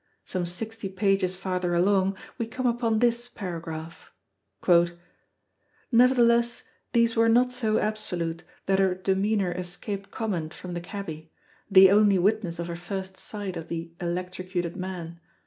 Some sixty pages farther along, we come upon this paragraph: "Nevertheless, these were not so absolute that her demeanour escaped comment from the cabby, the only witness of her first sight of the 'electrocuted' man.